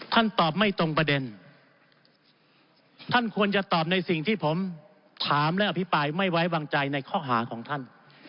ตอบไม่ตรงประเด็นท่านควรจะตอบในสิ่งที่ผมถามและอภิปรายไม่ไว้วางใจในข้อหาของท่าน